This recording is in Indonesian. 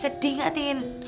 sedih gak tin